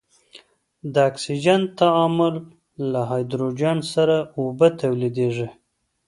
د اکسجن تعامل له هایدروجن سره اوبه تولیدیږي.